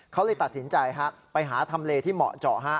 เขาเลยตัดสินใจไปหาทำเลที่เหมาะเจาะฮะ